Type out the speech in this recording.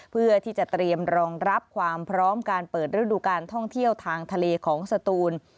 เพื่อที่จะเตรียมรองรับความพร้อมการเปิดฤดูการท่องเที่ยวทางทะเลของสตูน